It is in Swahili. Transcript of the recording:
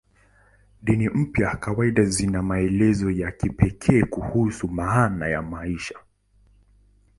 Dini mpya kawaida zina maelezo ya kipekee kuhusu maana ya maisha.